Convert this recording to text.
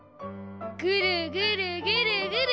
ぐるぐるぐるぐる。